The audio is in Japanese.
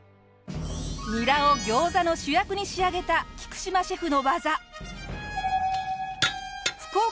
ニラを餃子の主役に仕上げた菊島シェフの技。